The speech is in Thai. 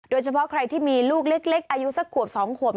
โดยเฉพาะใครที่มีลูกเล็กอายุสักขวบ๒ขวบ